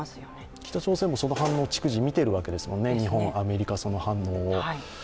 北朝鮮もその反応を逐次見ているわけですよね、日本、アメリカの反応を。